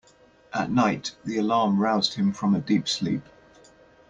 At night the alarm roused him from a deep sleep.